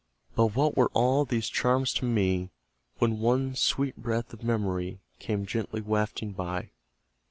But what were all these charms to me, When one sweet breath of memory Came gently wafting by?